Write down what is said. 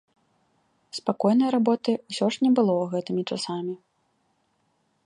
Спакойнай работы ўсё ж не было гэтымі часамі.